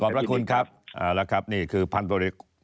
เอาล่ะครับนี่คือพันธุ์โปรดิกษ์